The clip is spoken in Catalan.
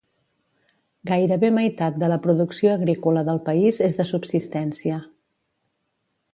Gairebé meitat de la producció agrícola del país és de subsistència.